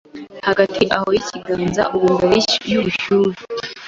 Hagati aho ikiganza ubu mbere yubushyuhe